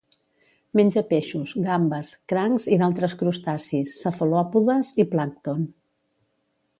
Menja peixos, gambes, crancs i d'altres crustacis, cefalòpodes i plàncton.